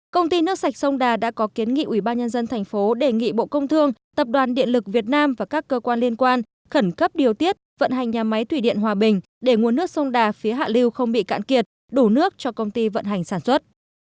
công ty nước sạch sông đà đã có kiến nghị ủy ban nhân dân thành phố đề nghị bộ công thương tập đoàn điện lực việt nam và các cơ quan liên quan khẩn cấp điều tiết vận hành nhà máy thủy điện hòa bình để nguồn nước sông đà phía hạ lưu không bị cạn kiệt đủ nước cho công ty vận hành sản xuất